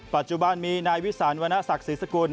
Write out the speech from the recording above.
ปัจจุบันมีนายวิสานวรรณศักดิ์ศรีสกุล